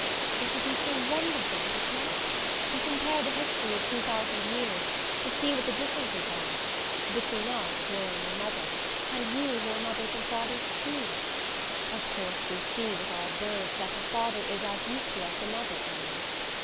"It would be so wonderful would it not? To compare the history of two thousand years, to see what the differences are between us, who are only mothers, and you, who are mothers and fathers, too. Of course we see, with our birds, that the father is as useful as the mother, almost.